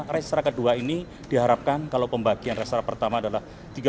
raksasa kedua ini diharapkan kalau pembagian raksasa pertama adalah